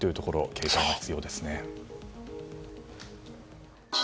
警戒が必要ですね。